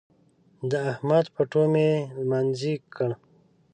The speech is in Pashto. د احمد پټو مې لمانځي کړ.